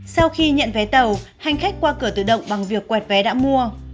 sau khi nhận vé tàu hành khách qua cửa tự động bằng việc quẹt vé đã mua